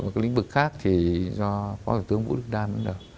và các lĩnh vực khác thì do phó thủ tướng vũ đức đan đứng đầu